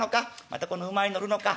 またこの馬へ乗るのか。